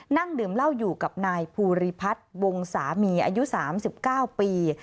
นั่งดื่มเหล้าอยู่กับนายภูริพัฒน์วงสามีอายุ๓๙ปี